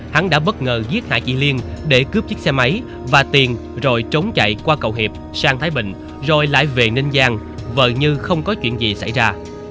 hắn đã bất ngờ giết hại chị liên để cướp chiếc xe máy và tiền rồi trốn chạy qua cầu hiệp sang thái bình rồi lại về ninh giang vờ như không có chuyện gì xảy ra